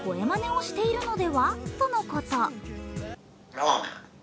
まねをしているのではとのこと。